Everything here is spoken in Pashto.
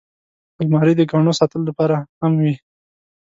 الماري د ګاڼو ساتلو لپاره هم وي